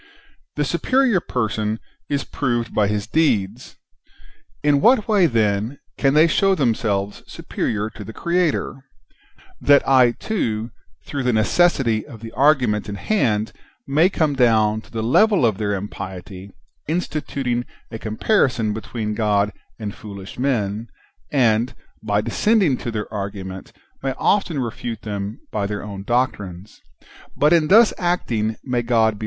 The superior person is to be proved by his deeds. In what w ay, then, can they show themselves superior to the Creator (that I too, through the necessity of the argument in hand, may come down to the level of their impiety, insti tuting a comparison between God and foolish men, and, by descending to their argument, may often refute them by their own doctrines ; but in thus acting may God be merci ' Ps.